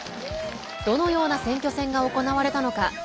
どのような選挙戦が行われたのか。